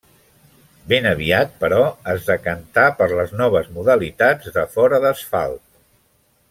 Ben aviat, però, es decantà per les noves modalitats de fora d'asfalt.